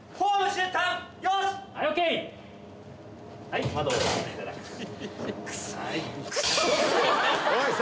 はい。